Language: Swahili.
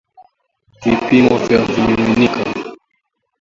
Vipimo vya vimiminika